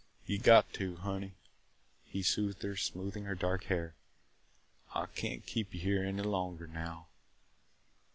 "You got to, honey!" he soothed her, smoothing her dark hair. "I can't keep you here any longer now."